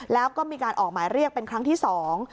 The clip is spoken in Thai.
แล้วก็มีการออกหมายเรียกเป็นครั้งที่สอง